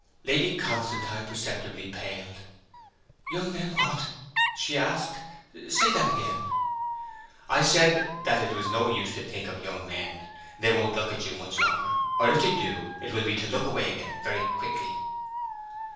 Lady Constantine perceptibly paled. 'Young men what?' she asked. 'Say that again.' 'I said it was no use to think of young men; they won't look at you much longer; or if they do, it will be to look away again very quickly.'